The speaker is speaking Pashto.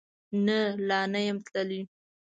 نه، لا نه یم تللی